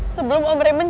sebelum om raymond